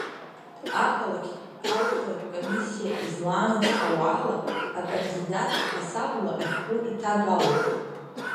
Ақалақьтә алхратә комиссиа излаанацҳауа ала, акандидат ҳасабла ашәҟәы иҭагалоуп…